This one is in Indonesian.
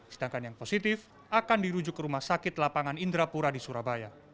sedangkan yang positif akan dirujuk ke rumah sakit lapangan indrapura di surabaya